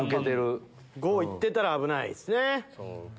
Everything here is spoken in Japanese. ５行ってたら危ないですね。